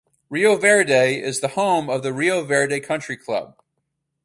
Rio Verde is the home of the Rio Verde Country Club.